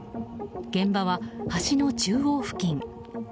現場は橋の中央付近。